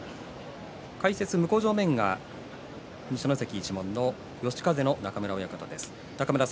解説、向正面は二所ノ関一門の嘉風の中村親方です。